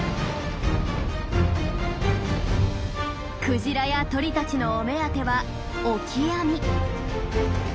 クジラや鳥たちのお目当てはオキアミ。